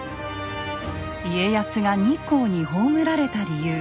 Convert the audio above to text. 家康が日光に葬られた理由。